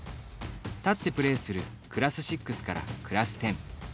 立ってプレーするクラス６からクラス１０。